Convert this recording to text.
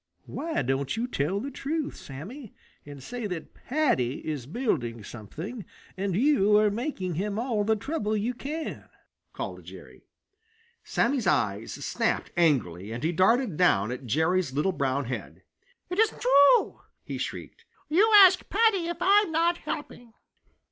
"Why don't you tell the truth, Sammy, and say that Paddy is building something and you are making him all the trouble you can?" called Jerry. Sammy's eyes snapped angrily, and he darted down at Jerry's little brown head. "It isn't true!" he shrieked. "You ask Paddy if I'm not helping!"